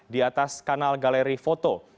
di atas kanal galeri foto